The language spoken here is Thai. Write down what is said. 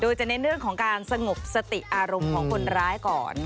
โดยจะเน้นเรื่องของการสงบสติอารมณ์ของคนร้ายก่อน